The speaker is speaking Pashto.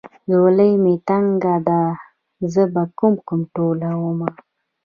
ځولۍ مې تنګه زه به کوم کوم ټولومه.